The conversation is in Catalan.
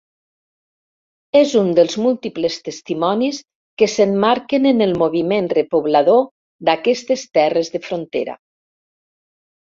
És un dels múltiples testimonis que s'emmarquen en el moviment repoblador d'aquestes terres de frontera.